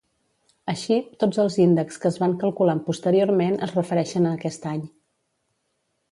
Així, tots els índexs que es van calculant posteriorment es refereixen a aquest any.